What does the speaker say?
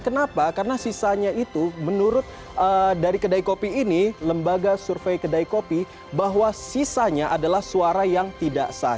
kenapa karena sisanya itu menurut dari kedai kopi ini lembaga survei kedai kopi bahwa sisanya adalah suara yang tidak sah